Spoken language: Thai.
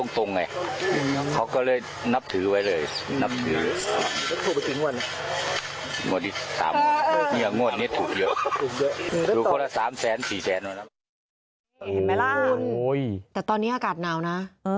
แต่ตอนนี้อากาศนาวนะ